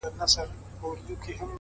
څومره له حباب سره ياري کوي ـ